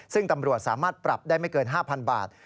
ซึ่งตำรวจสามารถปรับได้ไม่เกิน๕๐๐๐บาท